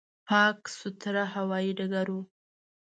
پاک، سوتره هوایي ډګر و.